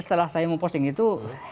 setelah saya mau posting itu